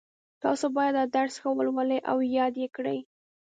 تاسو باید دا درس ښه ولولئ او یاد یې کړئ